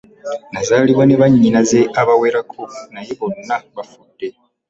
Nazaalibwa ne bannyinaze abawerako naye bonna bafudde.